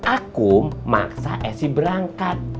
akum maksa acing berangkat